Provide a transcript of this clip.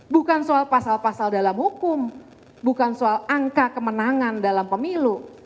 bukan soal pasal pasal dalam hukum bukan soal angka kemenangan dalam pemilu